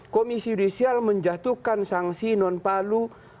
komisi yudisial menjatuhkan sanksi non palu